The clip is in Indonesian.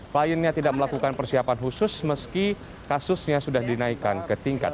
kliennya tidak melakukan persiapan khusus meski kasusnya sudah dinaikkan ke tingkat